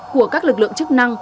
của các lực lượng chức năng